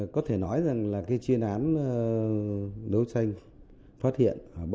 có thể nói là chuyên án đấu tranh